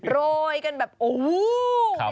โรยกันแบบโอ้โหวุวววว